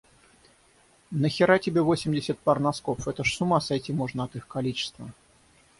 Нахера тебе восемьдесят пар носков? Это ж с ума сойти можно от их количества!